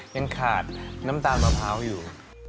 ยังขาดน้ำตาลมะพร้าวอยู่